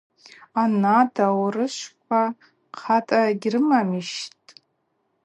Анат аурышвква кӏата гьрымаммищтӏ?